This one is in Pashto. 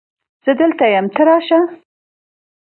زه دلته یم ته راشه